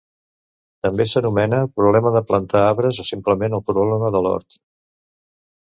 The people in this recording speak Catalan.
També s'anomena problema de plantar arbres o simplement el problema de l'hort.